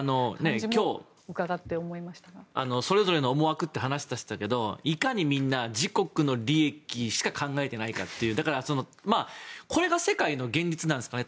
今日、それぞれの思惑と話していましたがいかに、みんな自国の利益しか考えてないかというこれが世界の現実なんですかね。